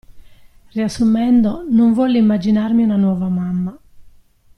Riassumendo:Non volli immaginarmi una nuova mamma.